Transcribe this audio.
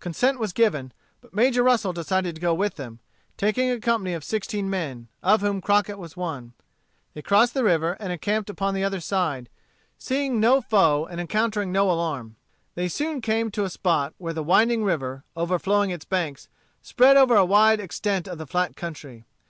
Consent was given; but Major Russel decided to go with them, taking a company of sixteen men, of whom Crockett was one. They crossed the river and encamped upon the other side, seeing no foe and encountering no alarm. They soon came to a spot where the winding river, overflowing its banks, spread over a wide extent of the flat country.